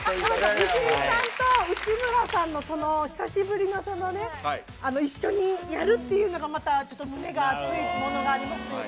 藤井さんと内村さんの久しぶりの一緒にやるっていうのが、また、胸が熱いものがありませんか。